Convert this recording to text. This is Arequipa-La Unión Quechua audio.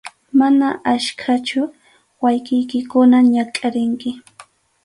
Mana achkachu wawqiykikuna ñakʼarinki.